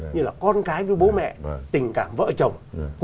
như là con cái với bố mẹ và tình cảm vợ chồng